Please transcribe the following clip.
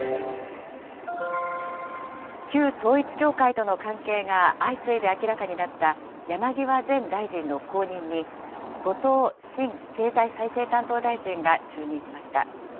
旧統一教会との関係が相次いで明らかになった山際前大臣の後任に、後藤新経済再生担当大臣が就任しました。